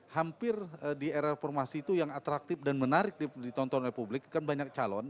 hampir di era reformasi itu yang atraktif dan menarik ditonton oleh publik kan banyak calon